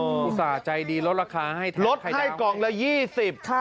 กูสาใจดีรถราคาให้รถให้กล่องละยี่สิบค่ะ